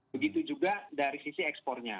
begitu juga dari sisi ekspornya